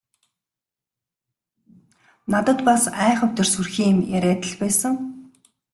Надад бас айхавтар сүрхий юм яриад л байсан.